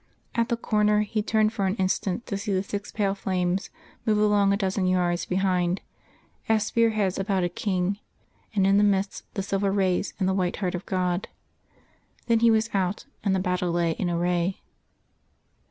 At the corner he turned for an instant to see the six pale flames move along a dozen yards behind, as spear heads about a King, and in the midst the silver rays and the White Heart of God.... Then he was out, and the battle lay in array....